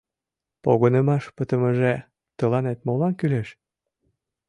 — Погынымаш пытымыже тыланет молан кӱлеш?